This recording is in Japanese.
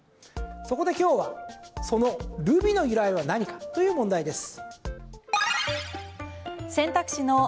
そこで今日は、そのルビの由来は何かという問題です。